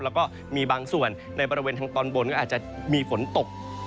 แล้วก็มีบางส่วนในบริเวณทางตอนบนก็อาจจะมีฝนตก